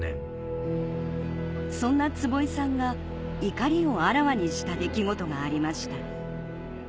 そんな坪井さんが怒りをあらわにした出来事がありました